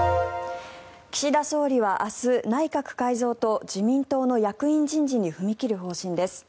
岸田総理は明日、内閣改造と自民党の役員人事に踏み切る方針です。